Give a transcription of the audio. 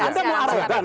anda mau arogan